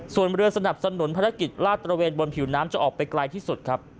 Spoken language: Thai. ส่วนเรือสนับสนุนภารกิจลาดตระเวนบนผิวน้ำจะออกไปไกลที่สุดครับ